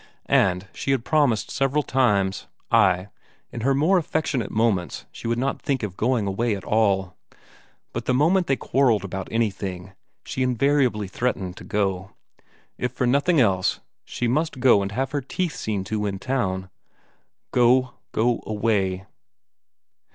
And she had promised several times ay, in her more affectionate moments she would not think of going away at all. But the moment they quarrelled about anything, she invariably threatened to go. If for nothing else, she must go to have her teeth seen to in town. Go, go away